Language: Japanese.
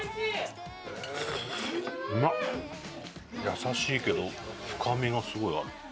優しいけど深みがすごいある。